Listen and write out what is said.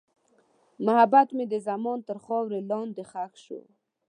محبت مې د زمان تر خاورې لاندې ښخ شو.